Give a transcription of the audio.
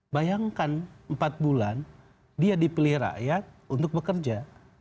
bayangkan empat bulan dia dipilih rakyat untuk bekerja